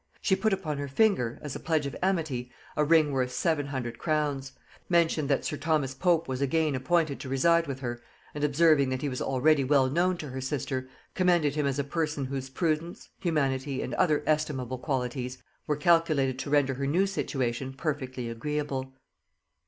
She put upon her finger, as a pledge of amity, a ring worth seven hundred crowns; mentioned that sir Thomas Pope was again appointed to reside with her, and observing that he was already well known to her sister commended him as a person whose prudence, humanity, and other estimable qualities, were calculated to render her new situation perfectly agreeable.